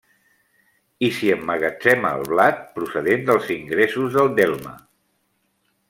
I s'hi emmagatzema el blat, procedent dels ingressos del delme.